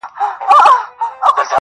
ستونزې ډېرېده اكثر,